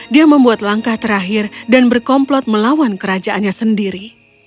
dia membuat langkah terakhir dan berkomplot melawan kerajaannya sendiri